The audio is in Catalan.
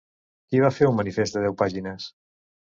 Qui va fer un manifest de deu pàgines?